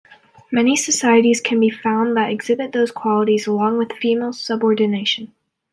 Many societies can be found that exhibit those qualities along with female subordination.